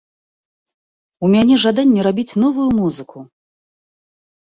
У мяне жаданне рабіць новую музыку.